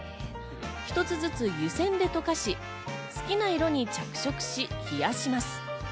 １つずつ湯煎で溶かし好きな色に着色し冷やします。